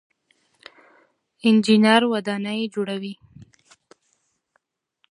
انجنیر ودانۍ جوړوي.